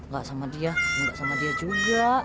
gak sama dia nggak sama dia juga